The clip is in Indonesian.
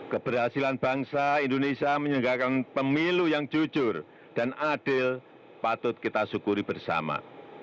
keberhasilan bangsa indonesia menyelenggarakan pemilu yang jujur dan adil patut kita syukuri bersama